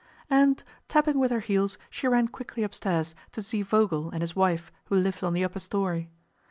And tapping with her heels, she ran quickly upstairs to see Vogel and his wife who lived on the upper story.